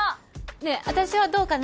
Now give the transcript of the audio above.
ねえ私はどうかな？